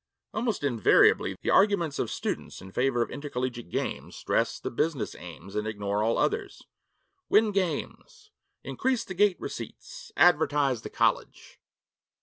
Almost invariably the arguments of students in favor of intercollegiate games stress the business aims and ignore all others. Win games! Increase the gate receipts! Advertise the college!